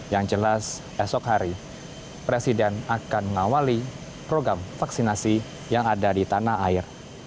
yang jelas esok hari presiden akan mengawali program vaksinasi yang ada di tanah air